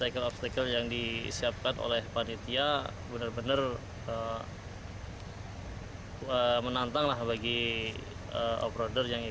kondisi jalurnya secaranya itu sendiri